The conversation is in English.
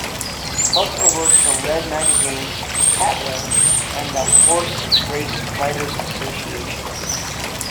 Plus awards from "Red" magazine, "Tatler" and the Horserace Writers' Association.